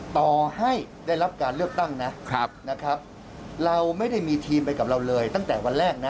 ต่อให้ได้รับการเลือกตั้งนะนะครับเราไม่ได้มีทีมไปกับเราเลยตั้งแต่วันแรกนะ